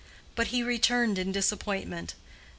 But he returned in disappointment.